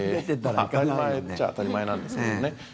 当たり前っちゃ当たり前なんですけどね。